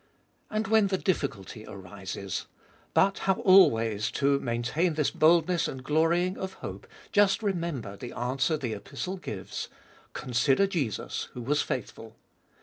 And when the difficulty arises : But how always to maintain this boldness and glorying of hope, just remember the answer the Epistle gives, Consider Jesus, who was faithful.